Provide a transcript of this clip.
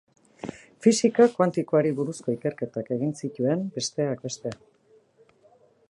Fisika kuantikoari buruzko ikerketak egin zituen, besteak beste.